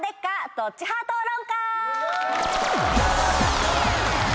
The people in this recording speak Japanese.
⁉どっち派討論会！